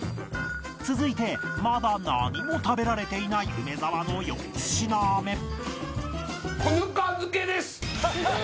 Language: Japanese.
続いてまだ何も食べられていない梅沢の４品目子糠漬けです！